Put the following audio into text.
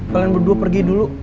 kalian berdua pergi dulu